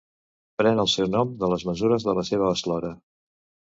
Pren el seu nom de les mesures de la seva eslora.